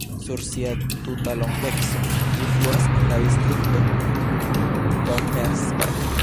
Sur sia tuta longeco ĝi fluas en la distrikto Donnersberg.